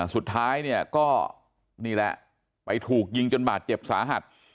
สุดท้ายเนี่ยก็นี่แหละไปถูกยิงจนบาดเจ็บสาหัส